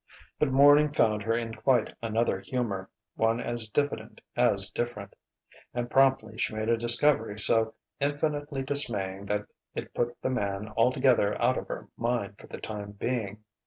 But morning found her in quite another humour, one as diffident as different. And promptly she made a discovery so infinitely dismaying that it put the man altogether out of her mind for the time being.